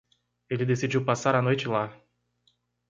Ele decidiu passar a noite lá.